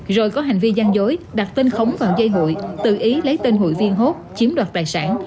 rồi có hành vi gian dối đặt tên khống vào giây hội tự ý lấy tên hội viên hốt chiếm đoạt tài sản